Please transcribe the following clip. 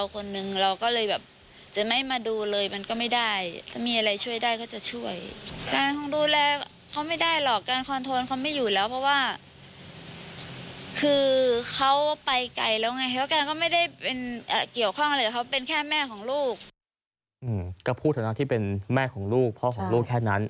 ก็พูดเถอะนะที่เป็นแม่ของลูกพ่อของลูกแค่นั้น